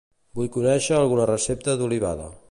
Vull conèixer alguna recepta d'olivada.